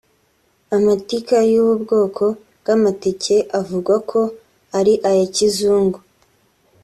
Amatika y’ubu bwoko bw’amateke avugwa ko ari aya kizungu